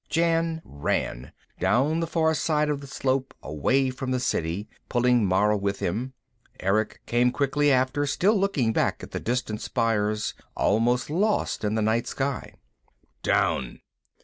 _" Jan ran, down the far side of the slope, away from the City, pulling Mara with him. Erick came quickly after, still looking back at the distant spires, almost lost in the night sky. "Down."